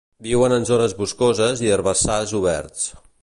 Viuen en zones boscoses i herbassars oberts.